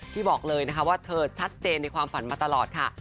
บอกเลยนะคะว่าเธอชัดเจนในความฝันมาตลอดค่ะ